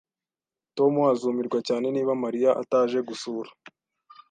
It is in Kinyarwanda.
Tom azumirwa cyane niba Mariya ataje gusura